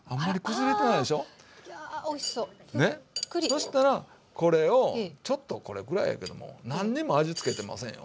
そしたらこれをちょっとこれぐらいやけども何にも味付けてませんよ